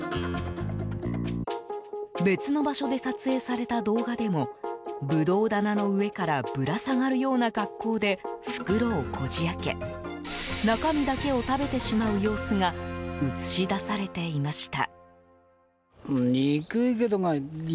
別の場所で撮影された動画でもブドウ棚の上からぶら下がるような格好で袋をこじ開け中身だけを食べてしまう様子が映し出されていました。